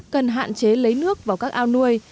cần hạn chế lấy nước vào các ao nuôi